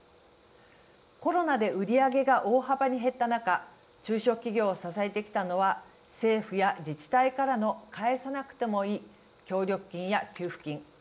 コロナで売り上げが大幅に減った中中小企業を支えてきたのは政府や自治体からの返さなくてもよい協力金や給付金。